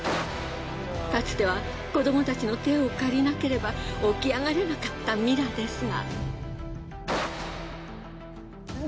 かつては子どもたちの手を借りなければ起き上がれなかったミラですが。